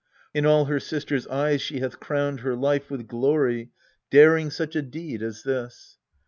In all her sisters' eyes she hath crowned her life With glory, daring such a deed as this.